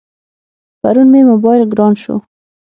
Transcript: پرون مې موبایل گران شو.